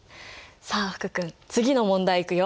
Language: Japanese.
さあ福君次の問題いくよ。